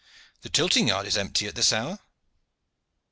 "The tilting yard is empty at this hour."